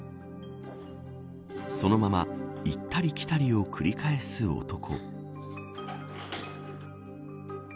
そのまま行ったり来たりを繰り返す男。